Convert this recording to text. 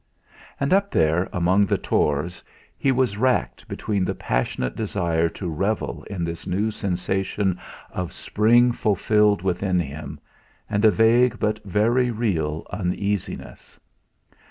And up there among the tors he was racked between the passionate desire to revel in this new sensation of spring fulfilled within him, and a vague but very real uneasiness.